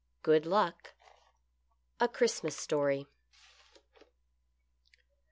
GOOD LUCK. {A Christmas Story.)